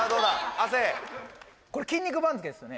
亜生これ「筋肉番付」ですよね？